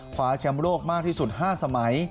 คว้าแชมป์โลกมากที่สุด๕สมัย